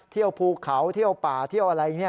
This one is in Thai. เที่ยวภูเขาเที่ยวป่าเที่ยวอะไรนี่